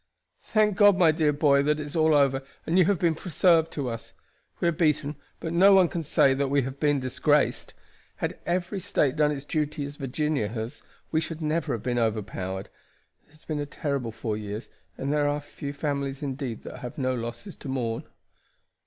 "Thank God, my dear boy, that all is over, and you have been preserved to us. We are beaten, but no one can say that we have been disgraced. Had every State done its duty as Virginia has we should never have been overpowered. It has been a terrible four years, and there are few families indeed that have no losses to mourn."